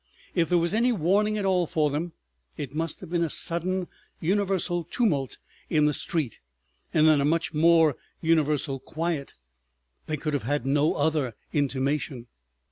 If there was any warning at all for them, it must have been a sudden universal tumult in the street, and then a much more universal quiet. They could have had no other intimation.